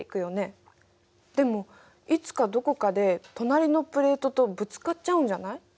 でもいつかどこかで隣のプレートとぶつかっちゃうんじゃない。